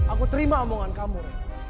aku terima omongan kamu